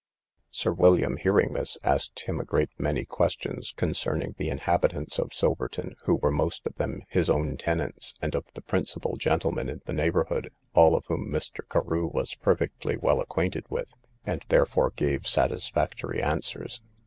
Sir William, hearing this, asked him a great many questions concerning the inhabitants of Silverton, who were most of them his own tenants, and of the principal gentlemen in the neighbourhood, all of whom Mr. Carew was perfectly well acquainted with, and therefore gave satisfactory answers.